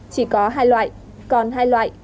chỉ có hai loại còn hai loại